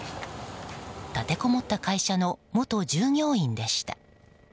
立てこもった会社の元従業員でした。